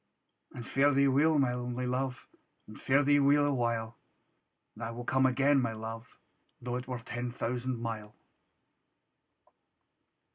And fare thee weel, my only Luve, And fare thee weel a while! And I will come again , my Luve, Tho' it were ten thousand mile.